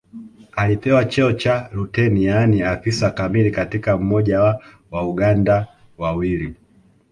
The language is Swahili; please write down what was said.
Alipewa cheo cha luteni yaani afisa kamili kama mmoja wa Wauganda wawili